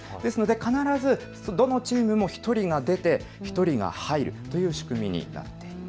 必ずどのチームも１人は出て１人は入るという仕組みになっています。